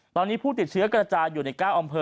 ตอนนี้ผู้ติดเชื้อกระจายอยู่ใน๙อำเภอ